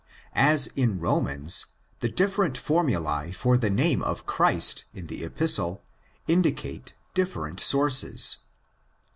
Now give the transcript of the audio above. As in Romans, the different formuls for the name of Christ in the Epistle indicate different sources.